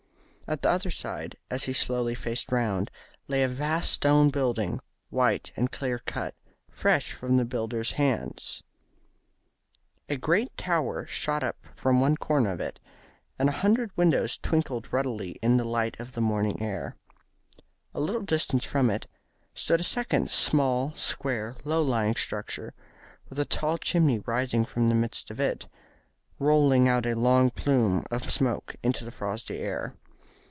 At the other side, as he slowly faced round, lay a vast stone building, white and clear cut, fresh from the builders' hands. A great tower shot up from one corner of it, and a hundred windows twinkled ruddily in the light of the morning sun. A little distance from it stood a second small square low lying structure, with a tall chimney rising from the midst of it, rolling out a long plume of smoke into the frosty air.